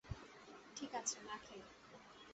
ঠিক আছে, না খেলে।